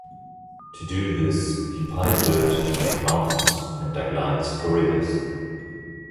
To do this, he piled dirt to make mountains, and dug lines for rivers.